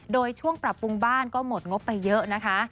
โดยช่วงปรับปรุงบ้านก็หมดงบไปเยอะนะคะ